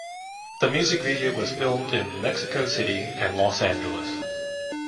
The music video was filmed in Mexico City and Los Angeles.